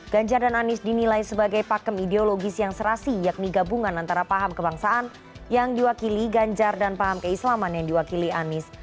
ganjar dan anies dinilai sebagai pakem ideologis yang serasi yakni gabungan antara paham kebangsaan yang diwakili ganjar dan paham keislaman yang diwakili anies